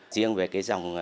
riêng về cái dòng